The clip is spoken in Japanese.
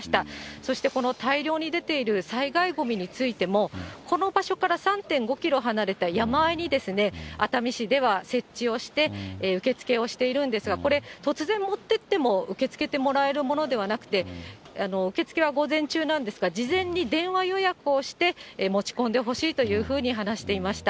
そしてこの大量に出ている災害ごみについても、この場所から３．５キロ離れた山あいに、熱海市では設置をして、受け付けをしているんですが、これ、突然持ってっても受け付けてもらえるものではなくて、受け付けは午前中なんですが、事前に電話予約をして持ち込んでほしいというふうに話していました。